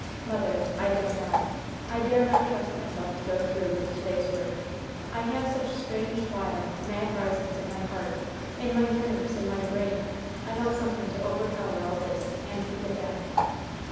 "Mother, I don't know. I dare not trust myself to go through with to day's work. I have such strange, wild, mad risings in my heart, in my nerves, in my brain! I want something to overpower all this, and keep it down."